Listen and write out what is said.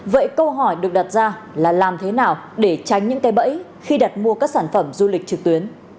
vậy câu hỏi được đặt ra là làm thế nào để tránh những cây bẫy khi đặt mua các sản phẩm du lịch trực tuyến